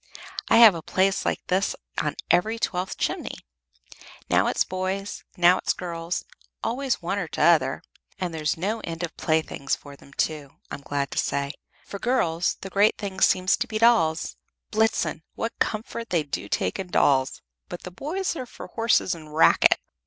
I have a place like this in every twelfth chimney. Now it's boys, now it's girls, always one or t'other; and there's no end of playthings for them, too, I'm glad to say. For girls, the great thing seems to be dolls. Blitzen! what comfort they do take in dolls! but the boys are for horses and racket."